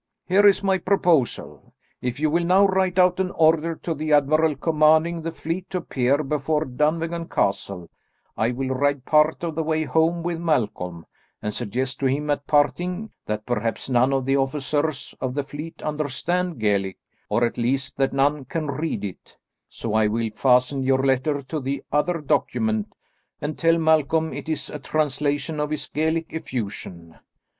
"Here is my proposal. If you will now write out an order to the admiral commanding the fleet to appear before Dunvegan Castle, I will ride part of the way home with Malcolm, and suggest to him at parting, that perhaps none of the officers of the fleet understand Gaelic, or at least that none can read it, so I will fasten your letter to the other document, and tell Malcolm it is a translation of his Gaelic effusion.